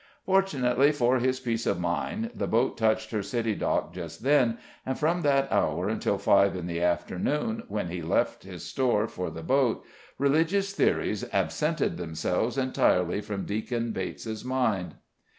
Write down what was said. Fortunately for his peace of mind, the boat touched her city dock just then, and from that hour until five in the afternoon, when he left his store for the boat, religious theories absented themselves entirely from Deacon Bates's mind.